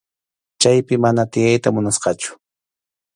Chaypi mana tiyayta munasqachu.